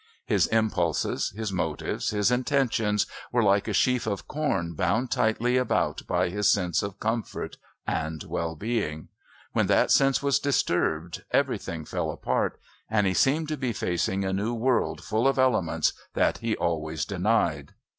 His impulses, his motives, his intentions were like a sheaf of corn bound tightly about by his sense of comfort and well being. When that sense was disturbed everything fell apart and he seemed to be facing a new world full of elements that he always denied.